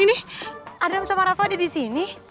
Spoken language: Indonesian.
ini adam sama raffadih disini